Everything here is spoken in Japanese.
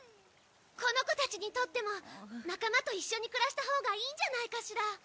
この子たちにとっても仲間と一緒に暮らしたほうがいいんじゃないかしら？